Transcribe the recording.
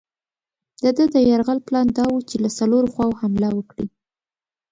د ده د یرغل پلان دا وو چې له څلورو خواوو حمله وکړي.